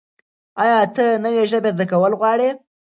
ایا ته نوې ژبه زده کول غواړې؟